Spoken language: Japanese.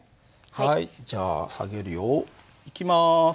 はいじゃあ下げるよ。いきます。